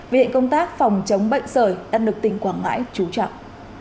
viện công tác phòng chống bệnh sởi đang được tỉnh quảng ngãi trú trọng